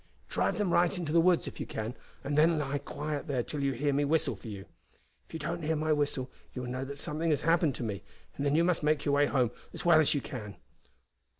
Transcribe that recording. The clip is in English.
Drive them right into the woods if you can and then lie quiet there till you hear me whistle for you. If you don't hear my whistle you will know that something has happened to me, and then you must make your way home as well as you can."